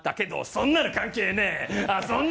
そんなの関係ねえ！